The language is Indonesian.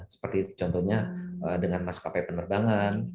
seperti contohnya dengan maskapai penerbangan